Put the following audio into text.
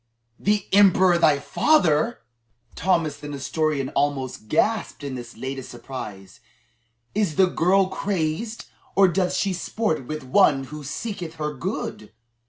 "The emperor thy father!" Thomas the Nestorian almost gasped in this latest surprise. "Is the girl crazed or doth she sport with one who seeketh her good?"